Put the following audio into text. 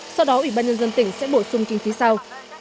sau đó ủy ban nhân dân tỉnh sẽ bổ sung kinh phí sau